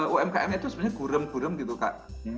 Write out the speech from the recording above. umkm itu sebenarnya gurem gurem gitu kak